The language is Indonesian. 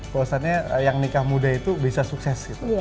puasannya yang nikah muda itu bisa sukses